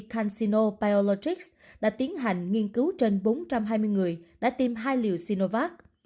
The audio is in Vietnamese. cansino paolotics đã tiến hành nghiên cứu trên bốn trăm hai mươi người đã tiêm hai liều sinovac